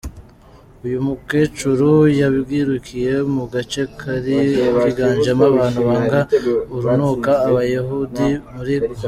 Uyu mukecuru yabyirukiye mu gace kari kiganjemo abantu banga urunuka Abayahudi muri Hongiriya.